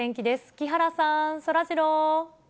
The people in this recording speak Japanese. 木原さん、そらジロー。